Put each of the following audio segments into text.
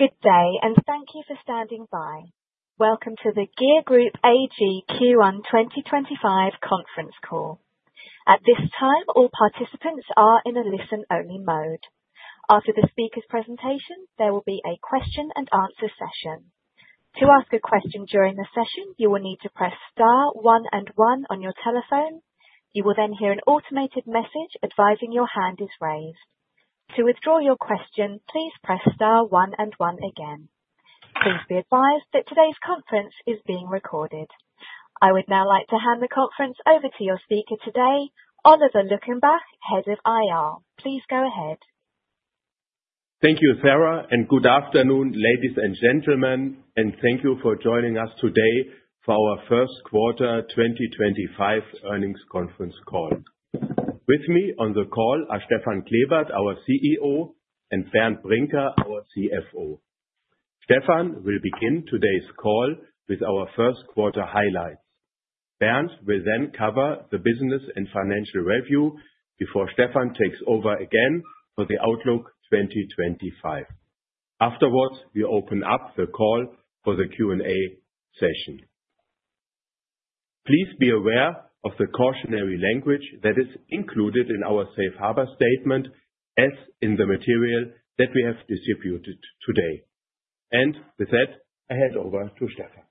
Good day, and thank you for standing by. Welcome to the GEA Group AG Q1 2025 conference call. At this time, all participants are in a listen-only mode. After the speaker's presentation, there will be a question-and-answer session. To ask a question during the session, you will need to press star one and one on your telephone. You will then hear an automated message advising your hand is raised. To withdraw your question, please press star one and one again. Please be advised that today's conference is being recorded. I would now like to hand the conference over to your speaker today, Oliver Luckenbach, Head of IR. Please go ahead. Thank you, Sarah, and good afternoon, ladies and gentlemen, and thank you for joining us today for our first quarter 2025 earnings conference call. With me on the call are Stefan Klebert, our CEO, and Bernd Brinker, our CFO. Stefan will begin today's call with our first quarter highlights. Bernd will then cover the business and financial review before Stefan takes over again for the Outlook 2025. Afterwards, we open up the call for the Q&A session. Please be aware of the cautionary language that is included in our Safe Harbor statement as in the material that we have distributed today. And with that, I hand over to Stefan.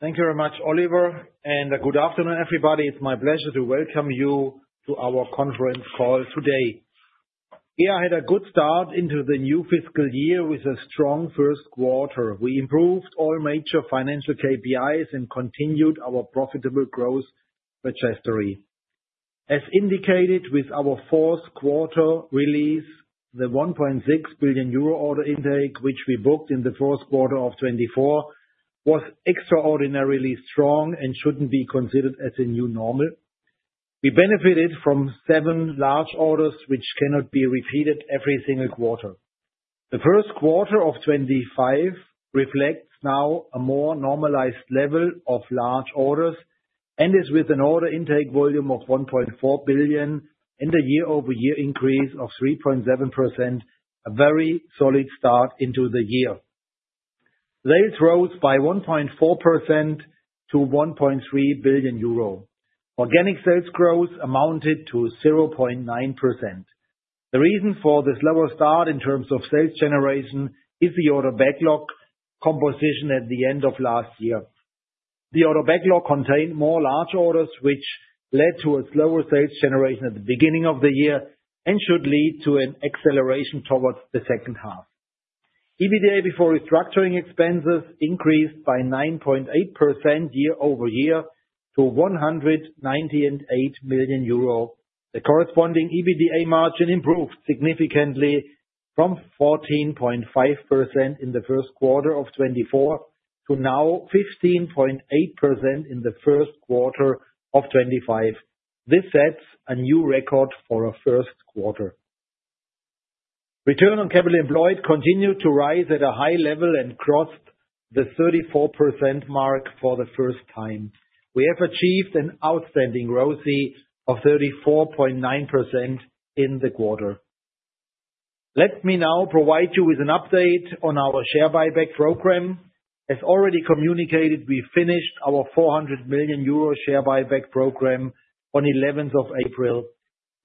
Thank you very much, Oliver, and good afternoon, everybody. It's my pleasure to welcome you to our conference call today. GEA had a good start into the new fiscal year with a strong first quarter. We improved all major financial KPIs and continued our profitable growth trajectory. As indicated with our fourth quarter release, the 1.6 billion euro order intake, which we booked in the fourth quarter of 2024, was extraordinarily strong and shouldn't be considered as a new normal. We benefited from seven large orders, which cannot be repeated every single quarter. The first quarter of 2025 reflects now a more normalized level of large orders and is with an order intake volume of 1.4 billion and a year-over-year increase of 3.7%, a very solid start into the year. Sales rose by 1.4% to 1.3 billion euro. Organic sales growth amounted to 0.9%. The reason for this lower start in terms of sales generation is the order backlog composition at the end of last year. The order backlog contained more large orders, which led to a slower sales generation at the beginning of the year and should lead to an acceleration towards the second half. EBITDA before restructuring expenses increased by 9.8% year-over-year to 198 million euro. The corresponding EBITDA margin improved significantly from 14.5% in the first quarter of 2024 to now 15.8% in the first quarter of 2025. This sets a new record for a first quarter. Return on capital employed continued to rise at a high level and crossed the 34% mark for the first time. We have achieved an outstanding growth of 34.9% in the quarter. Let me now provide you with an update on our share buyback program. As already communicated, we finished our 400 million euro share buyback program on 11th of April.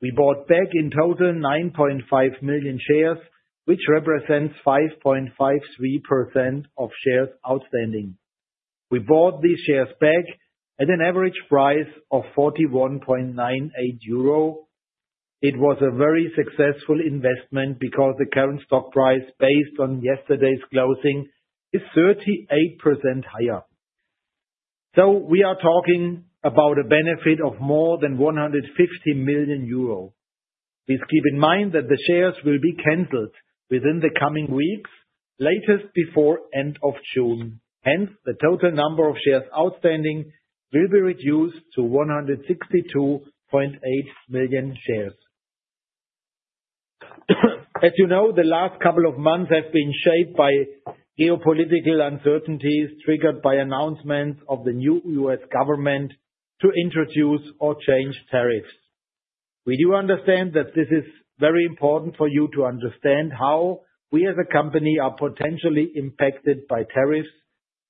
We bought back in total 9.5 million shares, which represents 5.53% of shares outstanding. We bought these shares back at an average price of 41.98 euro. It was a very successful investment because the current stock price based on yesterday's closing is 38% higher. So we are talking about a benefit of more than 150 million euro. Please keep in mind that the shares will be canceled within the coming weeks, latest before the end of June. Hence, the total number of shares outstanding will be reduced to 162.8 million shares. As you know, the last couple of months have been shaped by geopolitical uncertainties triggered by announcements of the new U.S. government to introduce or change tariffs. We do understand that this is very important for you to understand how we as a company are potentially impacted by tariffs.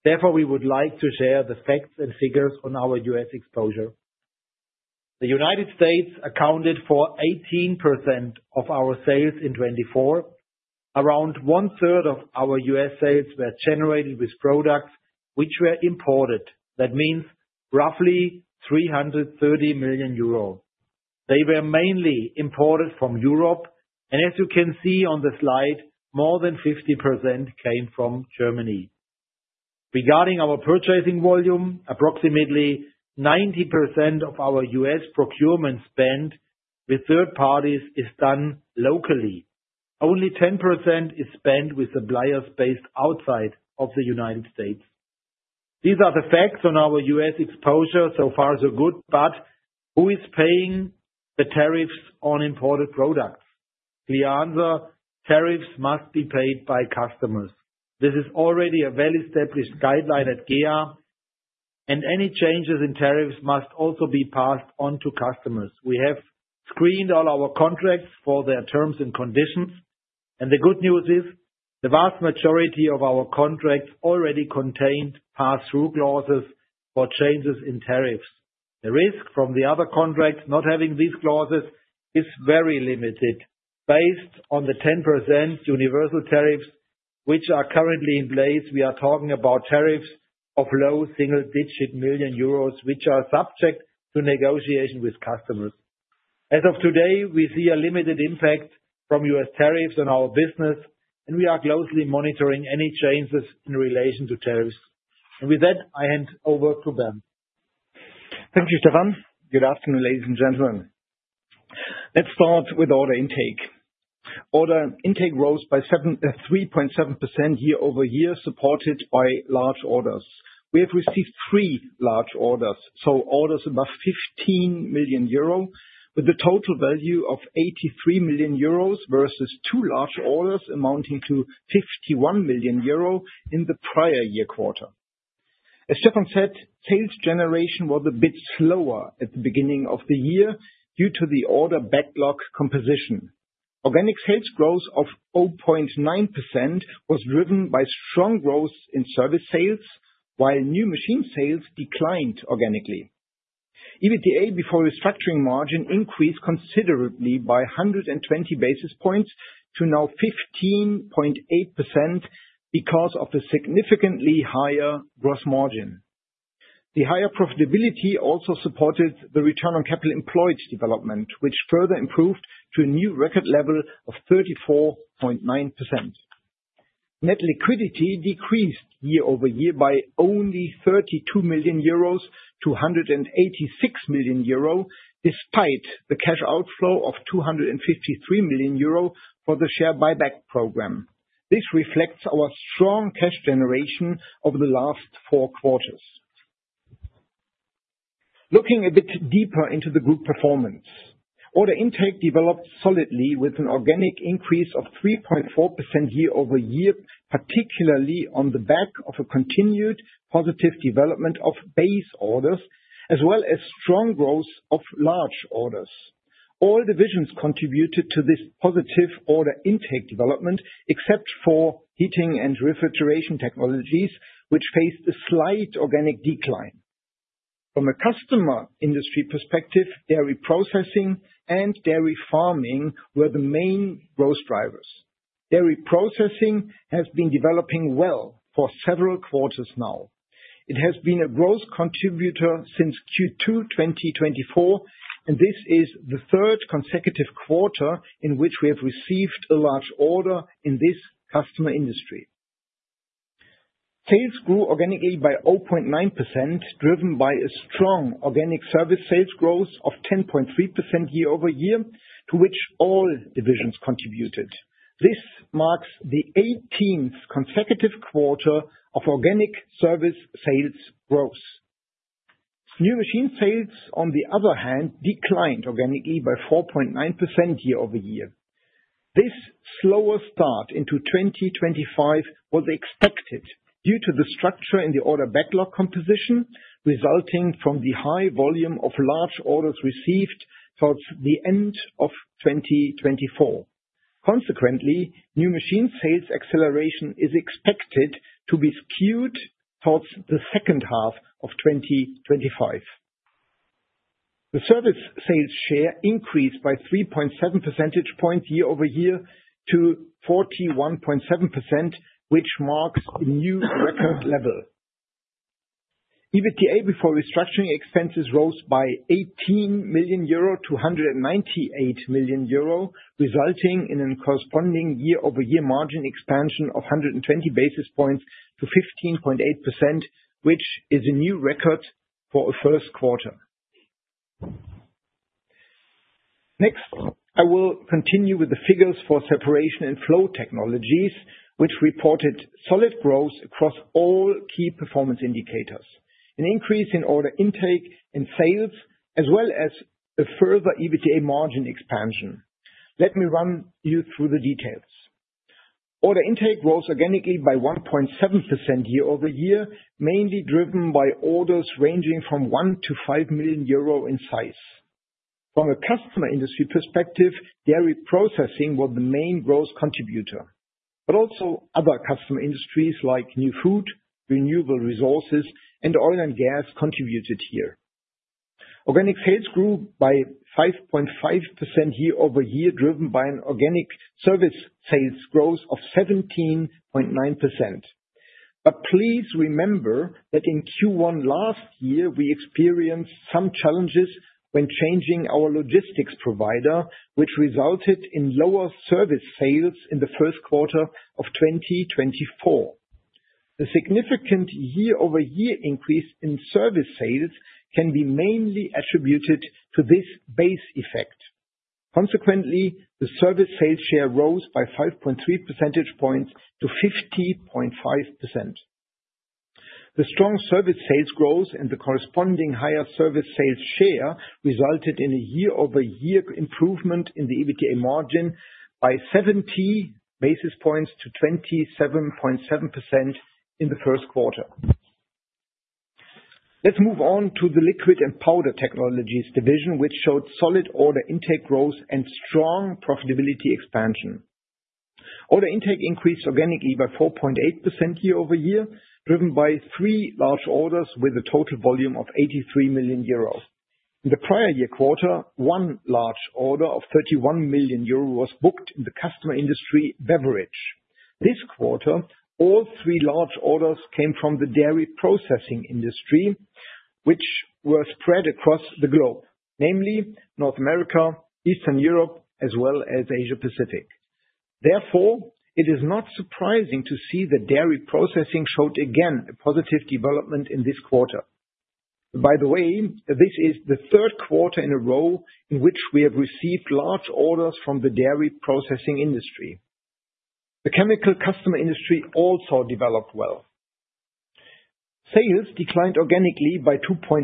Therefore, we would like to share the facts and figures on our U.S. exposure. The United States accounted for 18% of our sales in 2024. Around one-third of our U.S. sales were generated with products which were imported. That means roughly 330 million euro. They were mainly imported from Europe, and as you can see on the slide, more than 50% came from Germany. Regarding our purchasing volume, approximately 90% of our U.S. procurement spent with third parties is done locally. Only 10% is spent with suppliers based outside of the United States. These are the facts on our U.S. exposure so far, so good, but who is paying the tariffs on imported products? Clear answer, tariffs must be paid by customers. This is already a well-established guideline at GEA, and any changes in tariffs must also be passed on to customers. We have screened all our contracts for their terms and conditions, and the good news is the vast majority of our contracts already contained pass-through clauses for changes in tariffs. The risk from the other contracts not having these clauses is very limited. Based on the 10% universal tariffs which are currently in place, we are talking about tariffs of low single-digit million euros, which are subject to negotiation with customers. As of today, we see a limited impact from U.S. tariffs on our business, and we are closely monitoring any changes in relation to tariffs, and with that, I hand over to Bernd. Thank you, Stefan. Good afternoon, ladies and gentlemen. Let's start with order intake. Order intake rose by 3.7% year-over-year, supported by large orders. We have received three large orders, so orders above 15 million euro, with a total value of 83 million euros versus two large orders amounting to 51 million euro in the prior year quarter. As Stefan said, sales generation was a bit slower at the beginning of the year due to the order backlog composition. Organic sales growth of 0.9% was driven by strong growth in service sales, while new machine sales declined organically. EBITDA before restructuring margin increased considerably by 120 basis points to now 15.8% because of the significantly higher gross margin. The higher profitability also supported the return on capital employed development, which further improved to a new record level of 34.9%. Net liquidity decreased year-over-year by only 32 million euros to 186 million euro, despite the cash outflow of 253 million euro for the share buyback program. This reflects our strong cash generation over the last four quarters. Looking a bit deeper into the group performance, order intake developed solidly with an organic increase of 3.4% year-over-year, particularly on the back of a continued positive development of base orders, as well as strong growth of large orders. All divisions contributed to this positive order intake development, except for Heating & Refrigeration Technologies, which faced a slight organic decline. From a customer industry perspective, dairy processing and dairy farming were the main growth drivers. Dairy processing has been developing well for several quarters now. It has been a growth contributor since Q2 2024, and this is the third consecutive quarter in which we have received a large order in this customer industry. Sales grew organically by 0.9%, driven by a strong organic service sales growth of 10.3% year-over-year, to which all divisions contributed. This marks the 18th consecutive quarter of organic service sales growth. New machine sales, on the other hand, declined organically by 4.9% year-over-year. This slower start into 2025 was expected due to the structure in the order backlog composition resulting from the high volume of large orders received towards the end of 2024. Consequently, new machine sales acceleration is expected to be skewed towards the second half of 2025. The service sales share increased by 3.7 percentage points year-over-year to 41.7%, which marks a new record level. EBITDA before restructuring expenses rose by 18 million euro to 198 million euro, resulting in a corresponding year-over-year margin expansion of 120 basis points to 15.8%, which is a new record for a first quarter. Next, I will continue with the figures for Separation & Flow Technologies, which reported solid growth across all key performance indicators. An increase in order intake and sales, as well as a further EBITDA margin expansion. Let me run you through the details. Order intake rose organically by 1.7% year-over-year, mainly driven by orders ranging from 1 million -5 million euro in size. From a customer industry perspective, dairy processing was the main growth contributor, but also other customer industries like new food, renewable resources, and oil and gas contributed here. Organic sales grew by 5.5% year-over-year, driven by an organic service sales growth of 17.9%. But please remember that in Q1 last year, we experienced some challenges when changing our logistics provider, which resulted in lower service sales in the first quarter of 2024. The significant year-over-year increase in service sales can be mainly attributed to this base effect. Consequently, the service sales share rose by 5.3 percentage points to 50.5%. The strong service sales growth and the corresponding higher service sales share resulted in a year-over-year improvement in the EBITDA margin by 70 basis points to 27.7% in the first quarter. Let's move on to the Liquid & Powder Technologies division, which showed solid order intake growth and strong profitability expansion. Order intake increased organically by 4.8% year-over-year, driven by three large orders with a total volume of 83 million euros. In the prior year quarter, one large order of 31 million euros was booked in the customer industry, beverage. This quarter, all three large orders came from the dairy processing industry, which were spread across the globe, namely North America, Eastern Europe, as well as Asia-Pacific. Therefore, it is not surprising to see that dairy processing showed again a positive development in this quarter. By the way, this is the third quarter in a row in which we have received large orders from the dairy processing industry. The chemical customer industry also developed well. Sales declined organically by 2.8%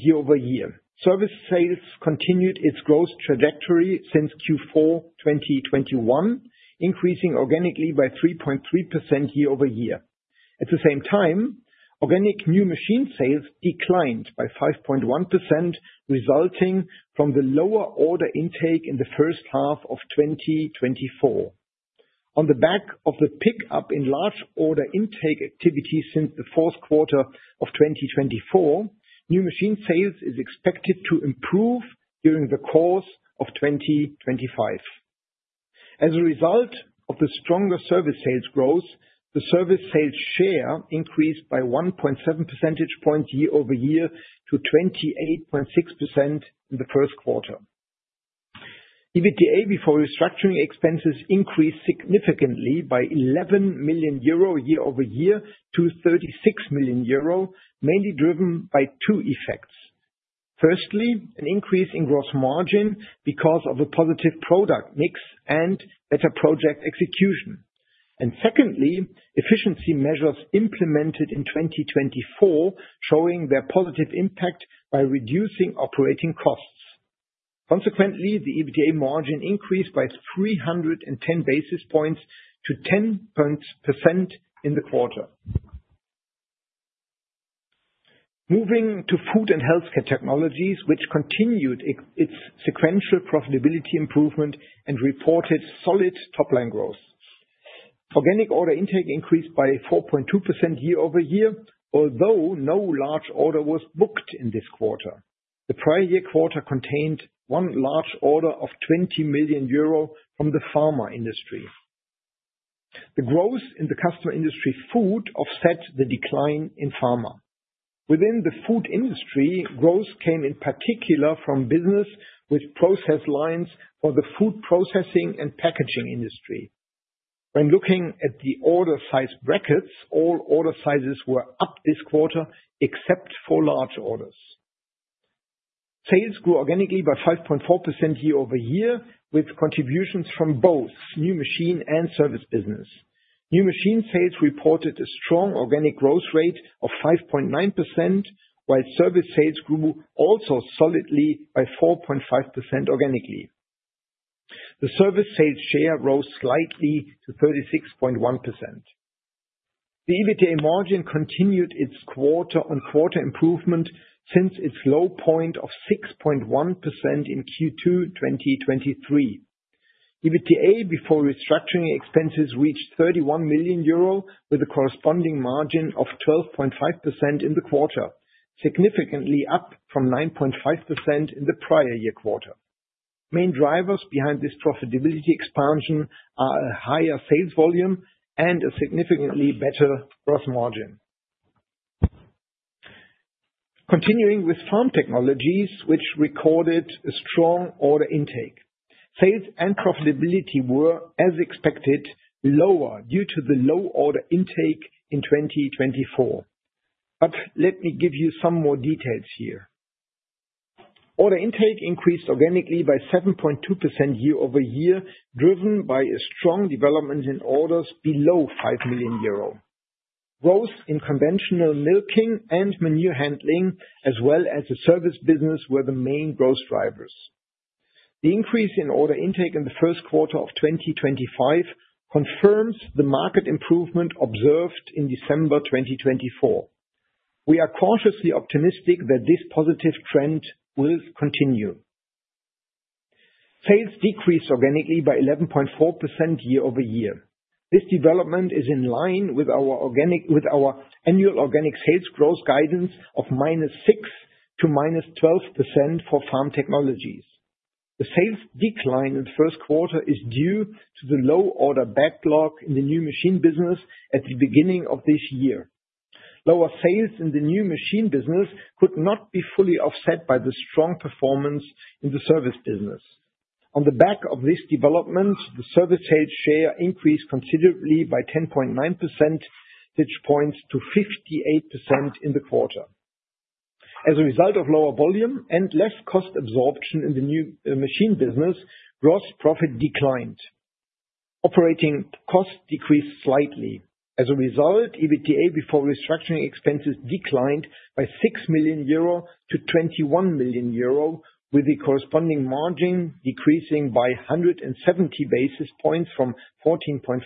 year-over-year. Service sales continued its growth trajectory since Q4 2021, increasing organically by 3.3% year-over-year. At the same time, organic new machine sales declined by 5.1%, resulting from the lower order intake in the first half of 2024. On the back of the pickup in large order intake activity since the fourth quarter of 2024, new machine sales is expected to improve during the course of 2025. As a result of the stronger service sales growth, the service sales share increased by 1.7 percentage points year-over-year to 28.6% in the first quarter. EBITDA before restructuring expenses increased significantly by 11 million euro year-over-year to 36 million euro, mainly driven by two effects. Firstly, an increase in gross margin because of a positive product mix and better project execution. And secondly, efficiency measures implemented in 2024 showing their positive impact by reducing operating costs. Consequently, the EBITDA margin increased by 310 basis points to 10% in the quarter. Moving to Food & Healthcare Technologies, which continued its sequential profitability improvement and reported solid top-line growth. Organic order intake increased by 4.2% year-over-year, although no large order was booked in this quarter. The prior year quarter contained one large order of 20 million euro from the pharma industry. The growth in the customer industry food offset the decline in pharma. Within the food industry, growth came in particular from business with process lines for the food processing and packaging industry. When looking at the order size brackets, all order sizes were up this quarter except for large orders. Sales grew organically by 5.4% year-over-year, with contributions from both new machine and service business. New machine sales reported a strong organic growth rate of 5.9%, while service sales grew also solidly by 4.5% organically. The service sales share rose slightly to 36.1%. The EBITDA margin continued its quarter-on-quarter improvement since its low point of 6.1% in Q2 2023. EBITDA before restructuring expenses reached 31 million euro, with a corresponding margin of 12.5% in the quarter, significantly up from 9.5% in the prior year quarter. Main drivers behind this profitability expansion are a higher sales volume and a significantly better gross margin. Continuing with Farm Technologies, which recorded a strong order intake. Sales and profitability were, as expected, lower due to the low order intake in 2024. But let me give you some more details here. Order intake increased organically by 7.2% year-over-year, driven by a strong development in orders below 5 million euro. Growth in conventional milking and manure handling, as well as the service business, were the main growth drivers. The increase in order intake in the first quarter of 2025 confirms the market improvement observed in December 2024. We are cautiously optimistic that this positive trend will continue. Sales decreased organically by 11.4% year-over-year. This development is in line with our annual organic sales growth guidance of -6% to -12% for Farm Technologies. The sales decline in the first quarter is due to the low order backlog in the new machine business at the beginning of this year. Lower sales in the new machine business could not be fully offset by the strong performance in the service business. On the back of this development, the service sales share increased considerably by 10.9%, which points to 58% in the quarter. As a result of lower volume and less cost absorption in the new machine business, gross profit declined. Operating costs decreased slightly. As a result, EBITDA before restructuring expenses declined by 6 million euro to 21 million euro, with the corresponding margin decreasing by 170 basis points from 14.5%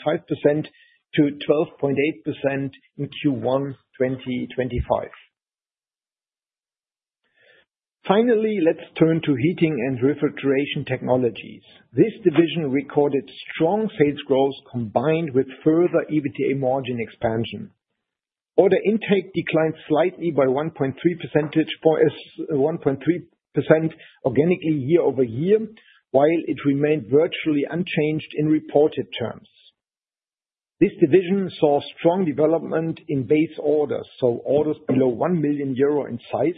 to 12.8% in Q1 2025. Finally, let's turn to Heating & Refrigeration Technologies. This division recorded strong sales growth combined with further EBITDA margin expansion. Order intake declined slightly by 1.3% organically year-over-year, while it remained virtually unchanged in reported terms. This division saw strong development in base orders, so orders below 1 million euro in size,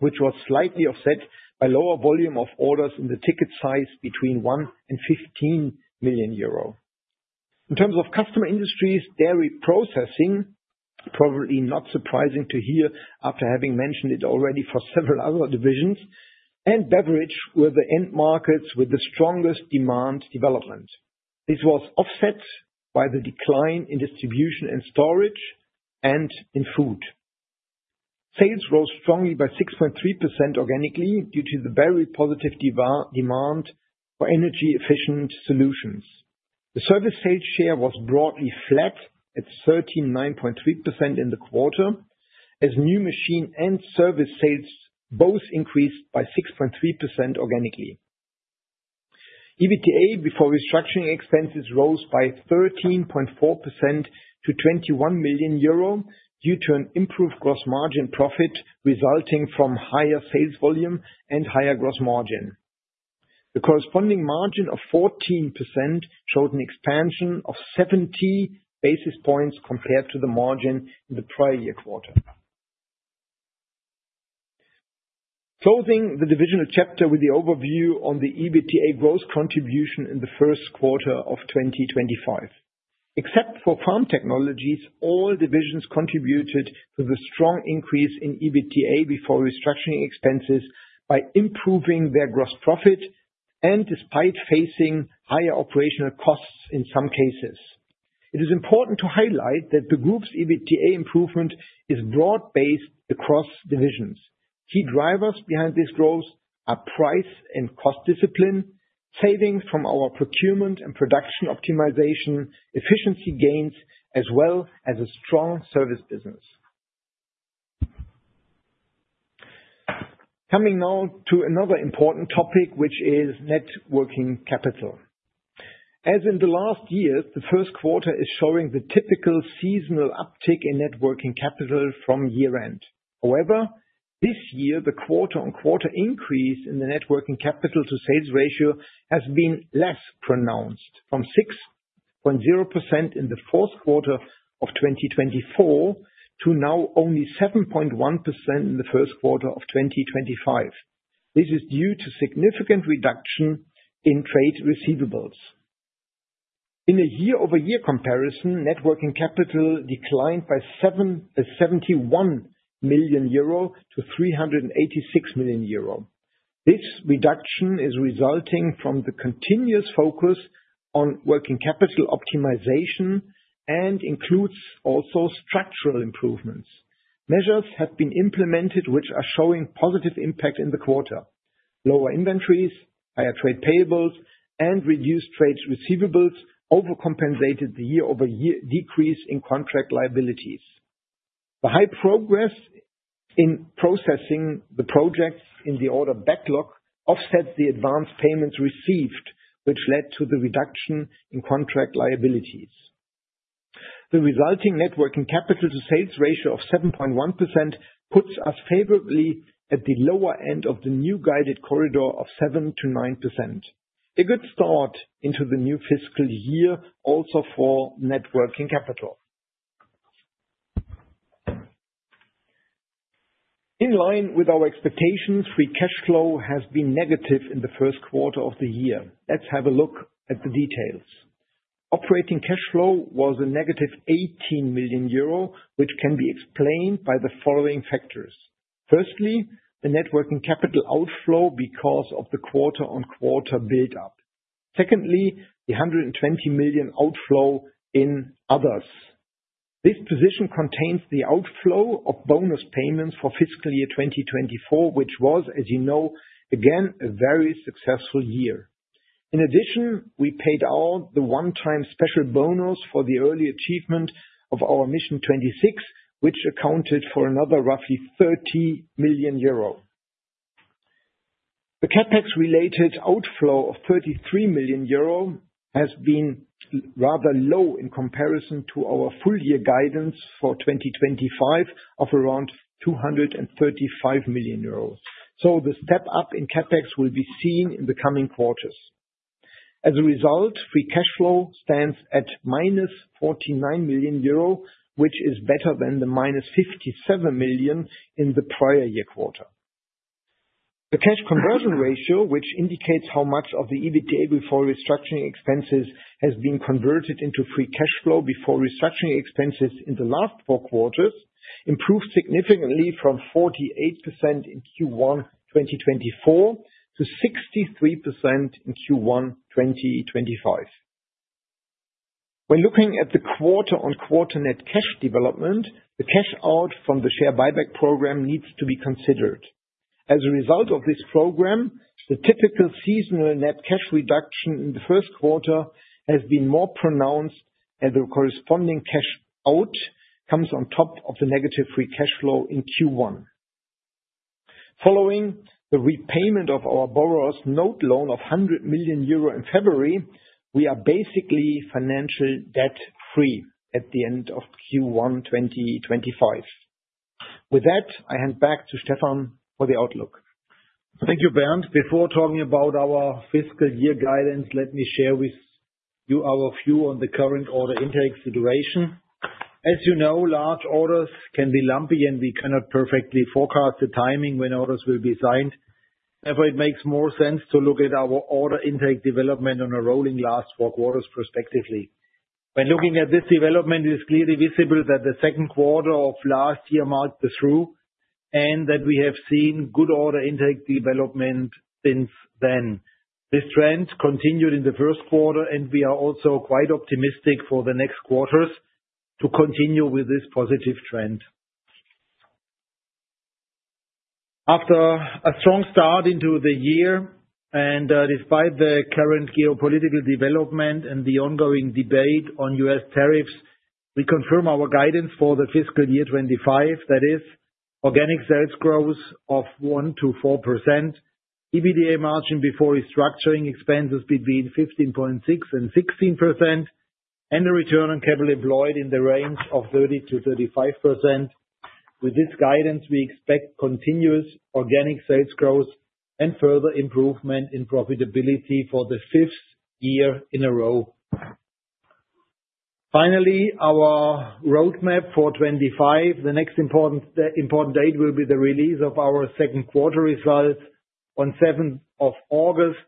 which was slightly offset by lower volume of orders in the ticket size between 1 and 15 million euro. In terms of customer industries, dairy processing, probably not surprising to hear after having mentioned it already for several other divisions, and beverage were the end markets with the strongest demand development. This was offset by the decline in distribution and storage and in food. Sales rose strongly by 6.3% organically due to the very positive demand for energy-efficient solutions. The service sales share was broadly flat at 39.3% in the quarter, as new machine and service sales both increased by 6.3% organically. EBITDA before restructuring expenses rose by 13.4% to 21 million euro due to an improved gross margin profit resulting from higher sales volume and higher gross margin. The corresponding margin of 14% showed an expansion of 70 basis points compared to the margin in the prior year quarter. Closing the divisional chapter with the overview on the EBITDA growth contribution in the first quarter of 2025. Except for Farm Technologies, all divisions contributed to the strong increase in EBITDA before restructuring expenses by improving their gross profit and despite facing higher operational costs in some cases. It is important to highlight that the group's EBITDA improvement is broad-based across divisions. Key drivers behind this growth are price and cost discipline, savings from our procurement and production optimization, efficiency gains, as well as a strong service business. Coming now to another important topic, which is net working capital. As in the last year, the first quarter is showing the typical seasonal uptick in net working capital from year-end. However, this year, the quarter-on-quarter increase in the net working capital to sales ratio has been less pronounced, from 6.0% in the fourth quarter of 2024 to now only 7.1% in the first quarter of 2025. This is due to significant reduction in trade receivables. In a year-over-year comparison, net working capital declined by 71 million euro to 386 million euro. This reduction is resulting from the continuous focus on working capital optimization and includes also structural improvements. Measures have been implemented which are showing positive impact in the quarter. Lower inventories, higher trade payables, and reduced trade receivables overcompensated the year-over-year decrease in contract liabilities. The high progress in processing the projects in the order backlog offsets the advanced payments received, which led to the reduction in contract liabilities. The resulting net working capital to sales ratio of 7.1% puts us favorably at the lower end of the new guided corridor of 7%-9%. A good start into the new fiscal year also for net working capital. In line with our expectations, free cash flow has been negative in the first quarter of the year. Let's have a look at the details. Operating cash flow was a negative 18 million euro, which can be explained by the following factors. Firstly, the net working capital outflow because of the quarter-on-quarter build-up. Secondly, the 120 million outflow in others. This position contains the outflow of bonus payments for fiscal year 2024, which was, as you know, again, a very successful year. In addition, we paid out the one-time special bonus for the early achievement of our Mission 26, which accounted for another roughly 30 million euro. The CapEx-related outflow of 33 million euro has been rather low in comparison to our full-year guidance for 2025 of around 235 million euros. So the step-up in CapEx will be seen in the coming quarters. As a result, free cash flow stands at minus 49 million euro, which is better than the minus 57 million in the prior year quarter. The cash conversion ratio, which indicates how much of the EBITDA before restructuring expenses has been converted into free cash flow before restructuring expenses in the last four quarters, improved significantly from 48% in Q1 2024 to 63% in Q1 2025. When looking at the quarter-on-quarter net cash development, the cash out from the share buyback program needs to be considered. As a result of this program, the typical seasonal net cash reduction in the first quarter has been more pronounced, and the corresponding cash out comes on top of the negative free cash flow in Q1. Following the repayment of our borrower's note loan of 100 million euro in February, we are basically financial debt-free at the end of Q1 2025. With that, I hand back to Stefan for the outlook. Thank you, Bernd. Before talking about our fiscal year guidance, let me share with you our view on the current order intake situation. As you know, large orders can be lumpy, and we cannot perfectly forecast the timing when orders will be signed. Therefore, it makes more sense to look at our order intake development on a rolling last four quarters prospectively. When looking at this development, it is clearly visible that the second quarter of last year marked the trough and that we have seen good order intake development since then. This trend continued in the first quarter, and we are also quite optimistic for the next quarters to continue with this positive trend. After a strong start into the year, and despite the current geopolitical development and the ongoing debate on US tariffs, we confirm our guidance for the fiscal year 2025, that is, organic sales growth of 1%-4%, EBITDA margin before restructuring expenses between 15.6% and 16%, and the return on capital employed in the range of 30%-35%. With this guidance, we expect continuous organic sales growth and further improvement in profitability for the fifth year in a row. Finally, our roadmap for 2025, the next important date will be the release of our second quarter results on 7th of August.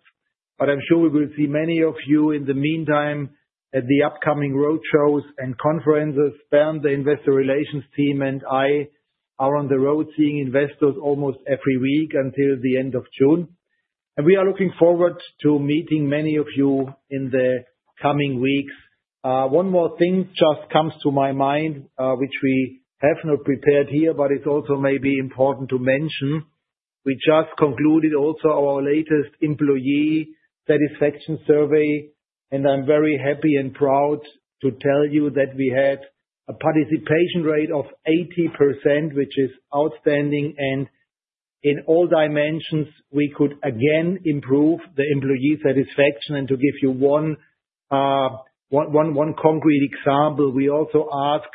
But I'm sure we will see many of you in the meantime at the upcoming roadshows and conferences. Bernd, the investor relations team, and I are on the road seeing investors almost every week until the end of June. We are looking forward to meeting many of you in the coming weeks. One more thing just comes to my mind, which we have not prepared here, but it's also maybe important to mention. We just concluded also our latest employee satisfaction survey, and I'm very happy and proud to tell you that we had a participation rate of 80%, which is outstanding. In all dimensions, we could again improve the employee satisfaction. To give you one concrete example, we also ask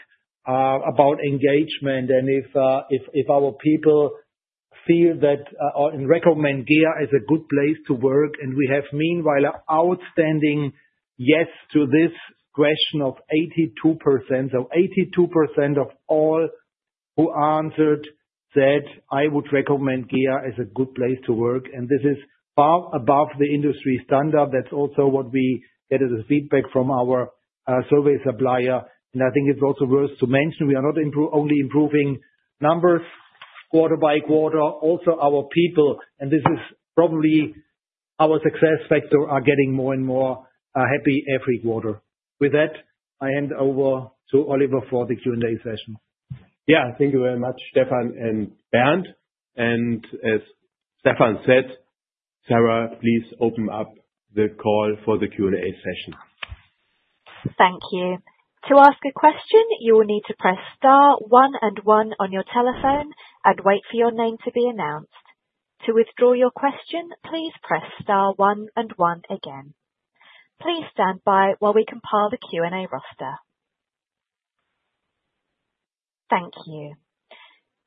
about engagement and if our people feel that and recommend GEA as a good place to work. We have, meanwhile, an outstanding yes to this question of 82%. So 82% of all who answered said, "I would recommend GEA as a good place to work." This is far above the industry standard. That's also what we get as a feedback from our survey supplier. And I think it's also worth to mention we are not only improving numbers quarter by quarter, also our people. And this is probably our success factor, are getting more and more happy every quarter. With that, I hand over to Oliver for the Q&A session. Yeah, thank you very much, Stefan and Bernd. And as Stefan said, Sarah, please open up the call for the Q&A session. Thank you. To ask a question, you will need to press star one and one on your telephone and wait for your name to be announced. To withdraw your question, please press star one and one again. Please stand by while we compile the Q&A roster. Thank you.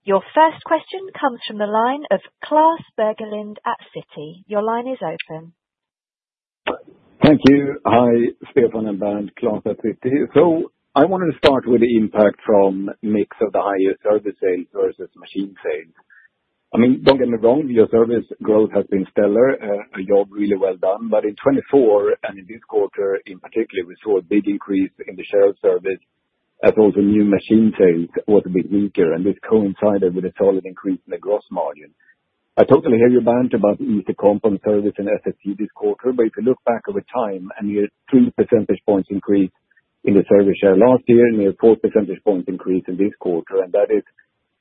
Your first question comes from the line of Klas Bergelind at Citi. Your line is open. Thank you. Hi, Stefan and Bernd, Klas at Citi. I wanted to start with the impact from mix of the higher service sales versus machine sales. I mean, don't get me wrong, your service growth has been stellar, a job really well done. In 2024 and in this quarter in particular, we saw a big increase in the share of service as all the new machine sales was a bit weaker. This coincided with a solid increase in the gross margin. I totally hear you, Bernd, about the ease to compound service and SSC this quarter. If you look back over time, a near 3 percentage points increase in the service share last year, near 4 percentage points increase in this quarter. That is,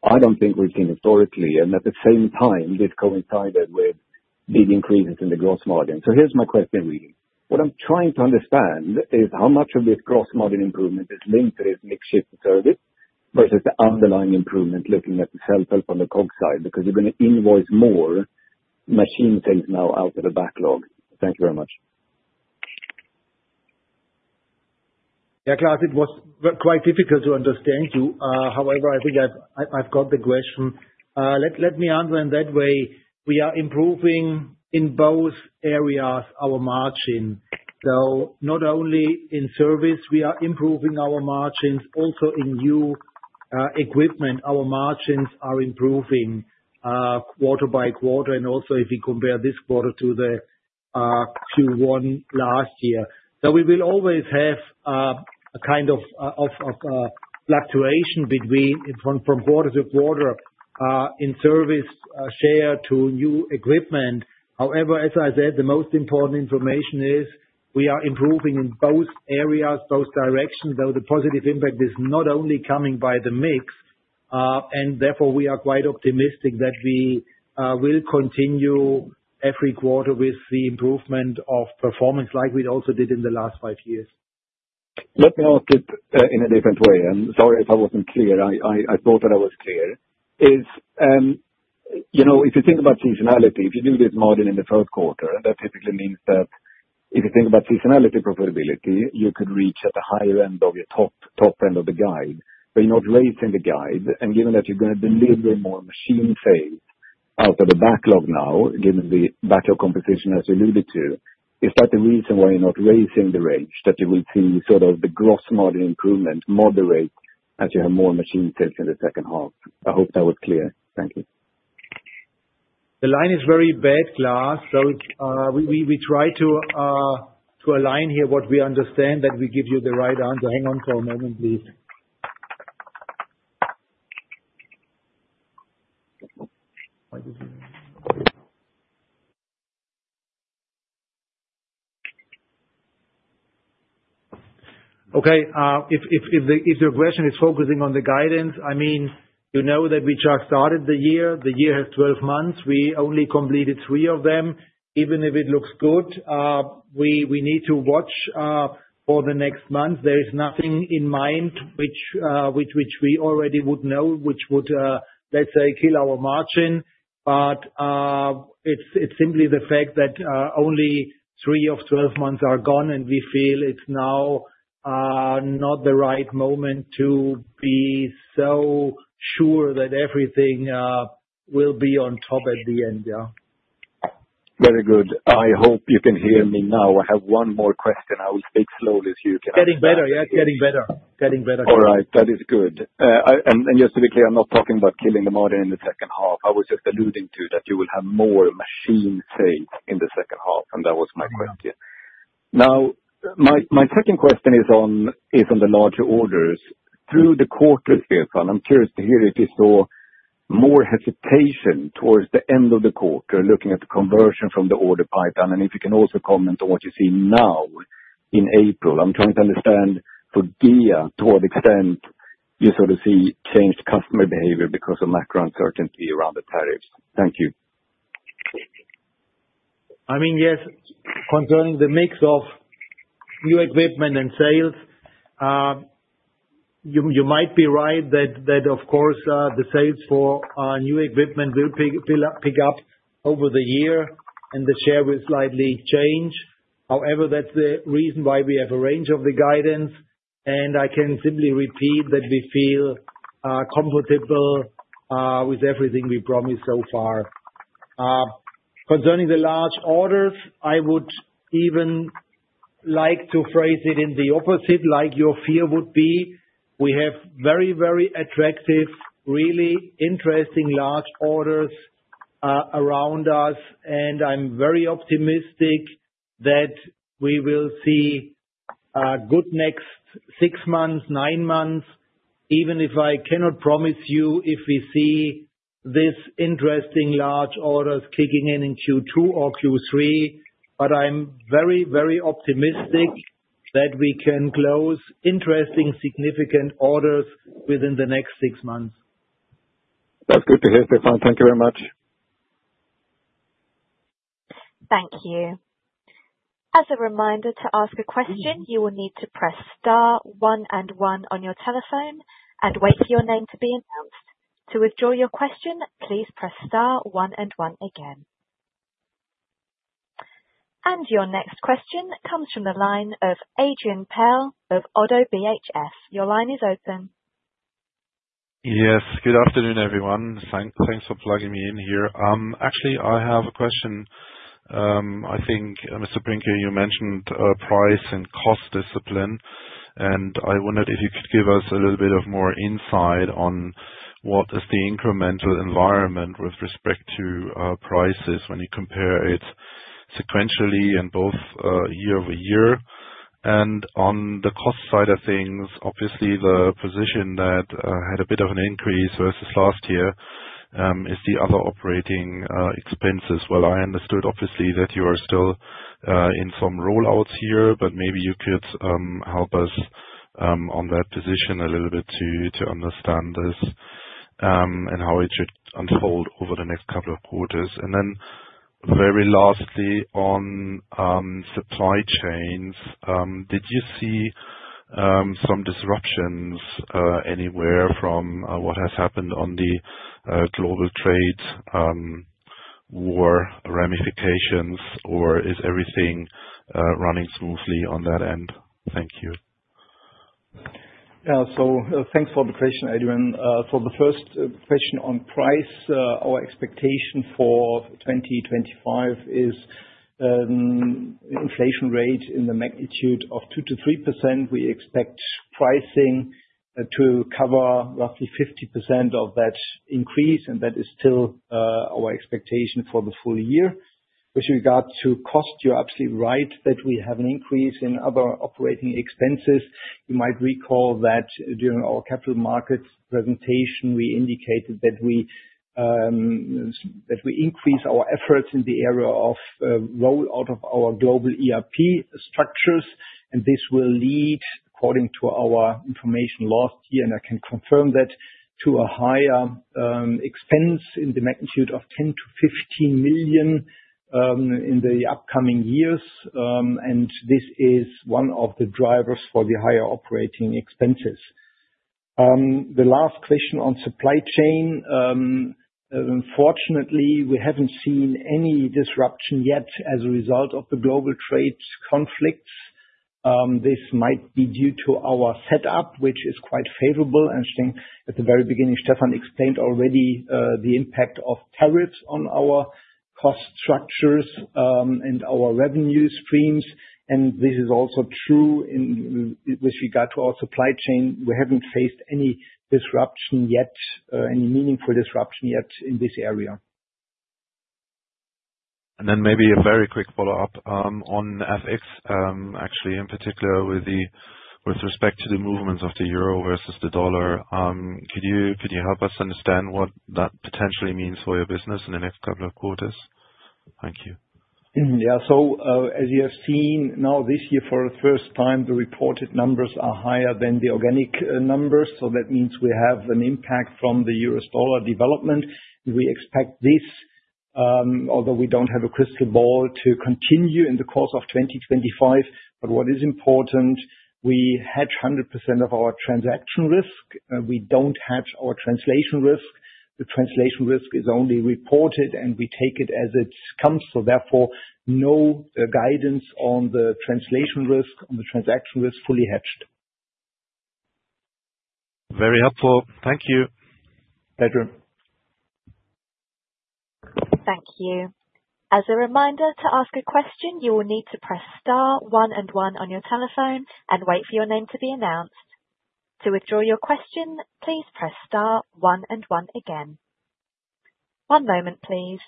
I don't think we've seen historically. At the same time, this coincided with big increases in the gross margin. So here's my question, really. What I'm trying to understand is how much of this gross margin improvement is linked to this mixed shift service versus the underlying improvement looking at the self-help on the COG side, because you're going to invoice more machine sales now out of the backlog. Thank you very much. Yeah, Klas, it was quite difficult to understand you. However, I think I've got the question. Let me answer in that way. We are improving in both areas our margin. So not only in service, we are improving our margins, also in new equipment, our margins are improving quarter by quarter. And also, if you compare this quarter to the Q1 last year. So we will always have a kind of fluctuation from quarter to quarter in service share to new equipment. However, as I said, the most important information is we are improving in both areas, both directions, though the positive impact is not only coming by the mix, and therefore, we are quite optimistic that we will continue every quarter with the improvement of performance like we also did in the last five years. Let me ask it in a different way, and sorry if I wasn't clear. I thought that I was clear. If you think about seasonality, if you do this margin in the third quarter, that typically means that if you think about seasonality profitability, you could reach at the higher end of your top end of the guide, but you're not raising the guide. And given that you're going to deliver more machine sales out of the backlog now, given the backlog competition, as you alluded to, is that the reason why you're not raising the range that you will see sort of the gross margin improvement moderate as you have more machine sales in the second half? I hope that was clear. Thank you. The line is very bad, Klas. So we try to align here what we understand that we give you the right answer. Hang on for a moment, please. Okay. If the question is focusing on the guidance, I mean, you know that we just started the year. The year has 12 months. We only completed three of them. Even if it looks good, we need to watch for the next month. There is nothing in mind which we already would know, which would, let's say, kill our margin. But it's simply the fact that only three of 12 months are gone, and we feel it's now not the right moment to be so sure that everything will be on top at the end. Yeah. Very good. I hope you can hear me now. I have one more question. I will speak slowly so you can understand. Getting better. Yeah, it's getting better. Getting better. All right. That is good. And just to be clear, I'm not talking about killing the margin in the second half. I was just alluding to that you will have more machine sales in the second half, and that was my question. Now, my second question is on the larger orders. Through the quarter, Stefan, I'm curious to hear if you saw more hesitation towards the end of the quarter, looking at the conversion from the order pipeline, and if you can also comment on what you see now in April. I'm trying to understand for GEA to what extent you sort of see changed customer behavior because of macro uncertainty around the tariffs. Thank you. I mean, yes, concerning the mix of new equipment and sales, you might be right that, of course, the sales for new equipment will pick up over the year, and the share will slightly change. However, that's the reason why we have a range of the guidance. And I can simply repeat that we feel comfortable with everything we promised so far. Concerning the large orders, I would even like to phrase it in the opposite, like your fear would be. We have very, very attractive, really interesting large orders around us, and I'm very optimistic that we will see good next six months, nine months, even if I cannot promise you if we see these interesting large orders kicking in in Q2 or Q3, but I'm very, very optimistic that we can close interesting, significant orders within the next six months. That's good to hear, Stefan. Thank you very much. Thank you. As a reminder to ask a question, you will need to press star one and one on your telephone and wait for your name to be announced. To withdraw your question, please press star one and one again, and your next question comes from the line of Adrian Pehl of Oddo BHF. Your line is open. Yes. Good afternoon, everyone. Thanks for plugging me in here. Actually, I have a question. I think, Mr. Brinker, you mentioned price and cost discipline. I wondered if you could give us a little bit of more insight on what is the incremental environment with respect to prices when you compare it sequentially and both year over year. On the cost side of things, obviously, the position that had a bit of an increase versus last year is the other operating expenses. I understood, obviously, that you are still in some rollouts here, but maybe you could help us on that position a little bit to understand this and how it should unfold over the next couple of quarters. Very lastly, on supply chains, did you see some disruptions anywhere from what has happened on the global trade war ramifications, or is everything running smoothly on that end? Thank you. Yeah. Thanks for the question, Adrian. For the first question on price, our expectation for 2025 is an inflation rate in the magnitude of 2%-3%. We expect pricing to cover roughly 50% of that increase, and that is still our expectation for the full year. With regard to cost, you're absolutely right that we have an increase in other operating expenses. You might recall that during our capital markets presentation, we indicated that we increase our efforts in the area of rollout of our global ERP structures. And this will lead, according to our information last year, and I can confirm that, to a higher expense in the magnitude of 10 million -15 million in the upcoming years. And this is one of the drivers for the higher operating expenses. The last question on supply chain, unfortunately, we haven't seen any disruption yet as a result of the global trade conflicts. This might be due to our setup, which is quite favorable. And I think at the very beginning, Stefan explained already the impact of tariffs on our cost structures and our revenue streams. And this is also true with regard to our supply chain. We haven't faced any disruption yet, any meaningful disruption yet in this area. And then maybe a very quick follow-up on FX, actually, in particular with respect to the movements of the euro versus the dollar. Could you help us understand what that potentially means for your business in the next couple of quarters? Thank you. Yeah. So as you have seen, now this year, for the first time, the reported numbers are higher than the organic numbers. So that means we have an impact from the euro/dollar development. We expect this, although we don't have a crystal ball, to continue in the course of 2025. But what is important, we hedge 100% of our transaction risk. We don't hedge our translation risk. The translation risk is only reported, and we take it as it comes. So therefore, no guidance on the translation risk, on the transaction risk fully hedged. Very helpful. Thank you. Bernd. Thank you. As a reminder to ask a question, you will need to press star one and one on your telephone and wait for your name to be announced. To withdraw your question, please press star one and one again. One moment, please.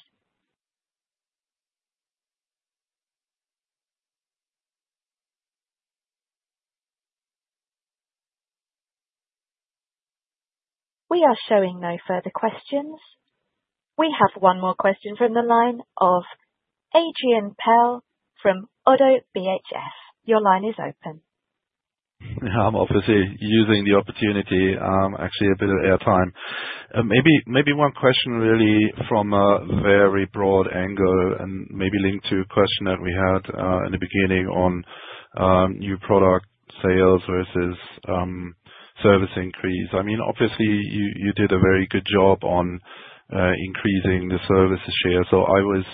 We are showing no further questions. We have one more question from the line of Adrian Pehl from ODDO BHF. Your line is open. I'm obviously using the opportunity, actually, a bit of airtime. Maybe one question really from a very broad angle and maybe linked to a question that we had in the beginning on new product sales versus service increase. I mean, obviously, you did a very good job on increasing the service share. So I was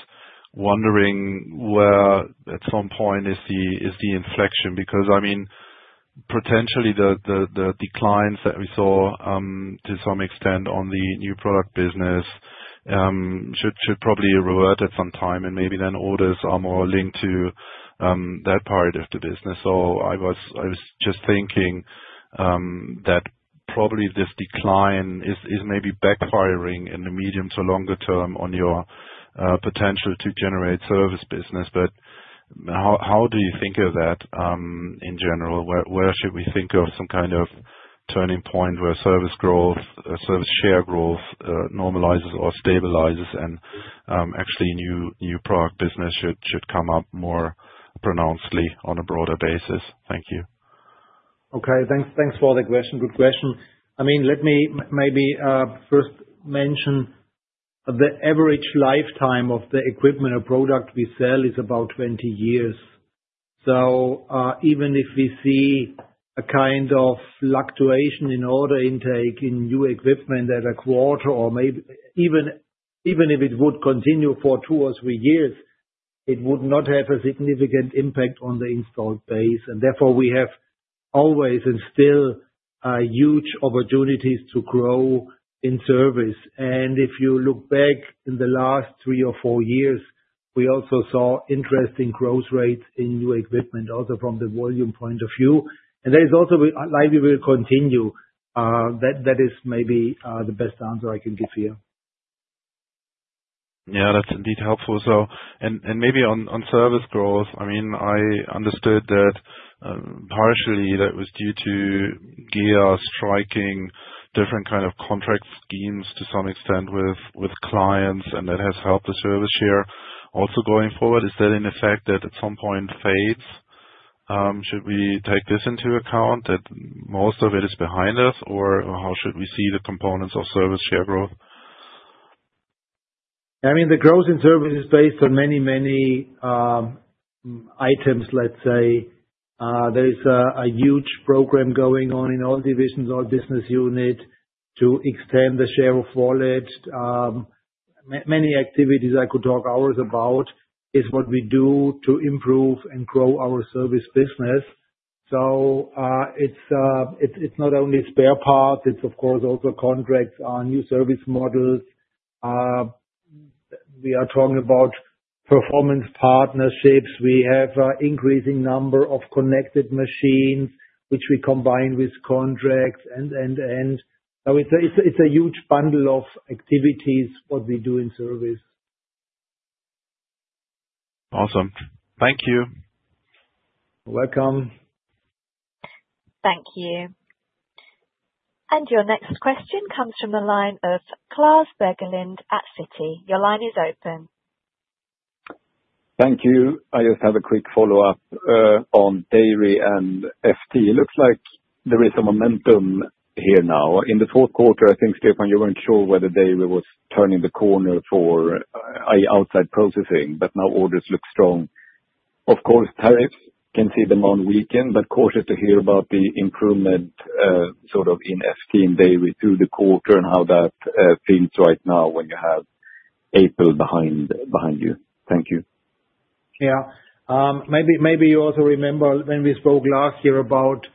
wondering where at some point is the inflection? Because, I mean, potentially, the declines that we saw to some extent on the new product business should probably revert at some time. And maybe then orders are more linked to that part of the business. So I was just thinking that probably this decline is maybe backfiring in the medium to longer term on your potential to generate service business. But how do you think of that in general? Where should we think of some kind of turning point where service growth, service share growth normalizes or stabilizes, and actually new product business should come up more pronouncedly on a broader basis? Thank you. Okay. Thanks for the question. Good question. I mean, let me maybe first mention the average lifetime of the equipment or product we sell is about 20 years. So even if we see a kind of fluctuation in order intake in new equipment at a quarter or maybe even if it would continue for two or three years, it would not have a significant impact on the installed base. And therefore, we have always and still huge opportunities to grow in service. And if you look back in the last three or four years, we also saw interesting growth rates in new equipment, also from the volume point of view. And there is also likely we will continue. That is maybe the best answer I can give here. Yeah. That's indeed helpful. And maybe on service growth, I mean, I understood that partially that was due to GEA striking different kind of contract schemes to some extent with clients, and that has helped the service share also going forward. Is that, in effect, that at some point fades? Should we take this into account that most of it is behind us, or how should we see the components of service share growth? I mean, the growth in service is based on many, many items, let's say. There is a huge program going on in all divisions, all business units to extend the share of wallet. Many activities I could talk hours about is what we do to improve and grow our service business. So it's not only spare parts. It's, of course, also contracts, new service models. We are talking about performance partnerships. We have an increasing number of connected machines, which we combine with contracts, and. So it's a huge bundle of activities what we do in service. Awesome. Thank you. You're welcome. Thank you. And your next question comes from the line of Klas Bergelind at Citi. Your line is open. Thank you. I just have a quick follow-up on Dairy and FT. It looks like there is a momentum here now. In the fourth quarter, I think, Stefan, you weren't sure whether Dairy was turning the corner for outside processing, but now orders look strong. Of course, tariffs can soften the momentum, but curious to hear about the improvement sort of in FT and Dairy through the quarter and how that feels right now when you have April behind you. Thank you. Yeah. Maybe you also remember when we spoke last year about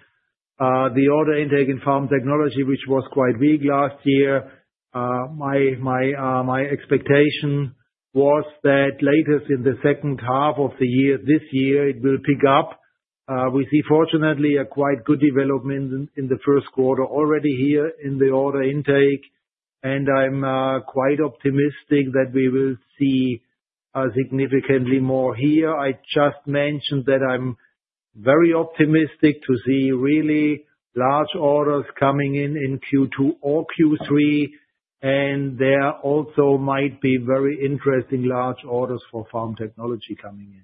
the order intake in pharma technology, which was quite weak last year. My expectation was that latest in the second half of this year, it will pick up. We see, fortunately, a quite good development in the first quarter already here in the order intake, and I'm quite optimistic that we will see significantly more here. I just mentioned that I'm very optimistic to see really large orders coming in in Q2 or Q3, and there also might be very interesting large orders for pharma technology coming in.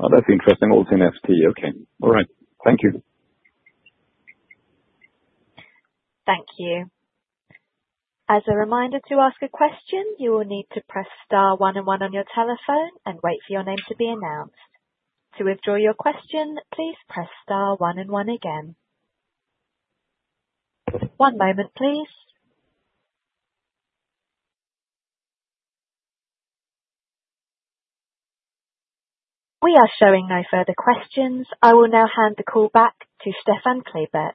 Oh, that's interesting. Also in FT. Okay. All right. Thank you. Thank you. As a reminder to ask a question, you will need to press star one and one on your telephone and wait for your name to be announced. To withdraw your question, please press star one and one again. One moment, please. We are showing no further questions. I will now hand the call back to Stefan Klebert.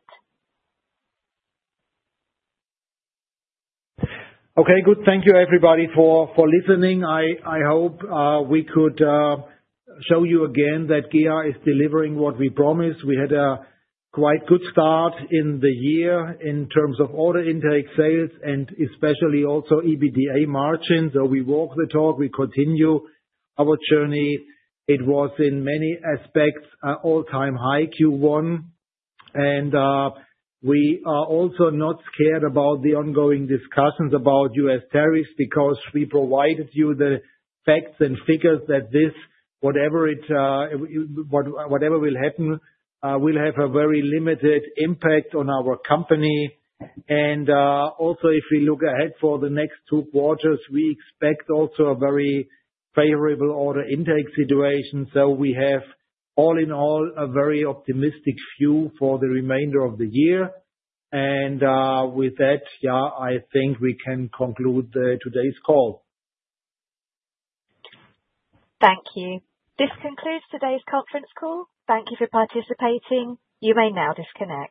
Okay. Good. Thank you, everybody, for listening. I hope we could show you again that GEA is delivering what we promised. We had a quite good start in the year in terms of order intake, sales, and especially also EBITDA margin, so we walk the talk. We continue our journey. It was, in many aspects, an all-time high Q1, and we are also not scared about the ongoing discussions about U.S. tariffs because we provided you the facts and figures that this, whatever will happen, will have a very limited impact on our company, and also, if we look ahead for the next two quarters, we expect also a very favorable order intake situation, so we have, all in all, a very optimistic view for the remainder of the year. And with that, yeah, I think we can conclude today's call. Thank you. This concludes today's conference call. Thank you for participating. You may now disconnect.